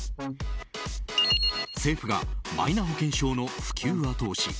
政府がマイナ保険証の普及後押し。